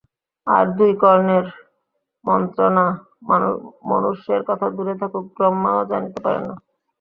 আর দুই কর্ণের মন্ত্রণা মনুষ্যের কথা দূরে থাকুক ব্রহ্মাও জানিতে পারেন না।